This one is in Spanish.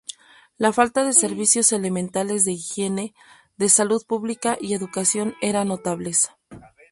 La falta de servicios elementales de higiene, de salud publica y educación eran notables.